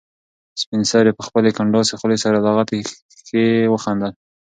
سپین سرې په خپلې کنډاسې خولې سره لښتې ته وخندل.